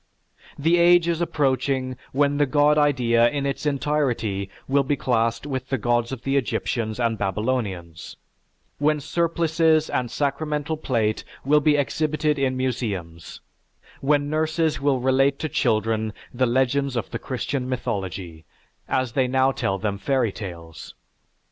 The age is approaching when the god idea in its entirety will be classed with the gods of the Egyptians and Babylonians, when surplices and sacramental plate will be exhibited in museums; when nurses will relate to children the legends of the Christian mythology, as they now tell them fairy tales.